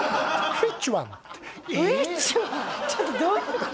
ちょっとどういうこと？